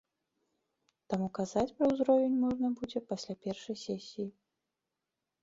Таму казаць пра ўзровень можна будзе пасля першай сесіі.